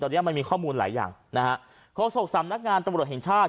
ตอนนี้มันมีข้อมูลหลายอย่างนะฮะโฆษกสำนักงานตำรวจแห่งชาติ